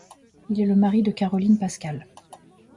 Il est le mari de Caroline Pascal.